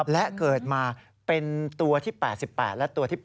และเกิดมาเป็นตัวที่๘๘และตัวที่๘